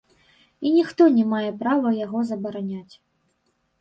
І ніхто не мае права яго забараняць.